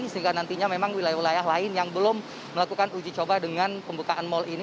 sehingga nantinya memang wilayah wilayah lain yang belum melakukan uji coba dengan pembukaan mal ini